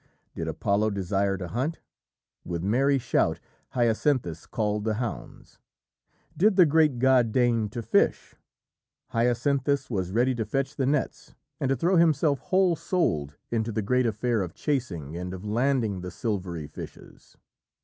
Did Apollo desire to hunt, with merry shout Hyacinthus called the hounds. Did the great god deign to fish, Hyacinthus was ready to fetch the nets and to throw himself, whole souled, into the great affair of chasing and of landing the silvery fishes.